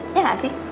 iya gak sih